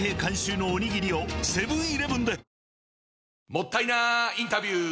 もったいなインタビュー！